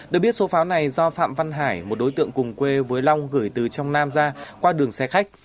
được biết số pháo này do phạm văn hải một đối tượng cùng quê với long gửi từ trong nam ra qua đường xe khách